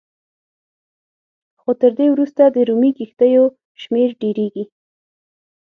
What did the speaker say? خو تر دې وروسته د رومي کښتیو شمېر ډېرېږي